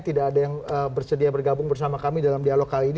tidak ada yang bersedia bergabung bersama kami dalam dialog kali ini